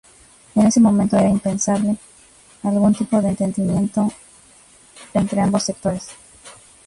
En ese momento era impensable algún tipo de entendimiento entre ambos sectores.